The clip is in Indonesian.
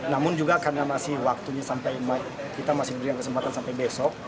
namun juga karena masih waktunya sampai kita masih berikan kesempatan sampai besok